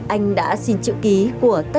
anh đã xin chữ ký của tất cả các đoàn cứu hộ việt nam